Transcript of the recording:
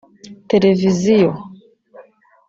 televiziyo